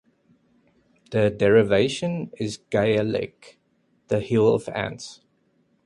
The derivation is Gaelic, The hill of ants.